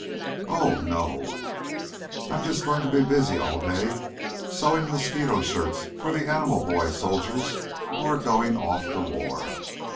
"Oh, no; I'm just going to be busy all day sewing mosquito shirts for the animal boy soldiers who are going off to war.